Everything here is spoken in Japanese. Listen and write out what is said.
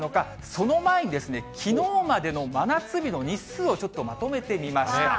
その前に、きのうまでの真夏日の日数をちょっとまとめてみました。